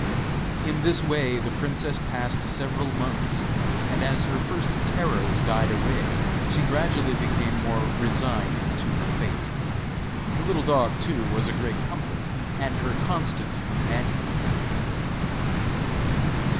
In this way the princess passed several months, and as her first terrors died away she gradually became more resigned to her fate. The little dog, too, was a great comfort, and her constant companion.